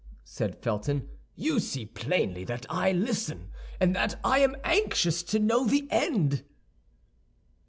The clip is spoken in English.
said Felton; "you see plainly that I listen, and that I am anxious to know the end."